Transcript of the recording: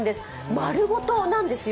丸ごとなんですよ。